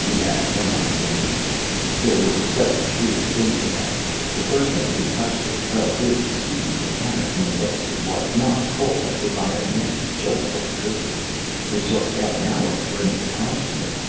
We had found the meteor. There were several queer things about it. The first man who touched it a big Swede mechanic named Olson was knocked cold as if by a nasty jolt of electricity. It took half an hour to bring him to consciousness.